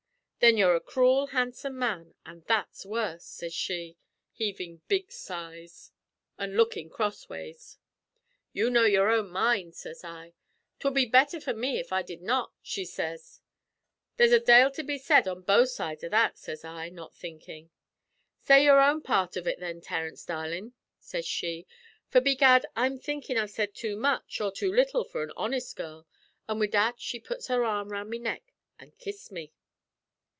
"'Then you're a cruel handsome man, an' that's worse,' sez she, heavin' big sighs an' lookin' crossways. "'You know your own mind,' sez I. "''Twud be better for me if I did not,' she sez. "'There's a dale to be said on both sides av that,' sez I, not thinkin'. "'Say your own part av ut, then, Terence, darlin',' sez she; 'for begad I'm thinkin' I've said too much or too little for an honest girl;' an' wid that she put her arms round me neck an' kissed me.